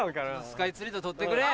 スカイツリーと撮ってくれ！